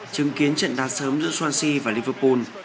chứng kiến trận đá sớm giữa swansea và liverpool